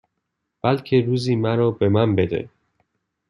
بلکه روزی مرا به من بده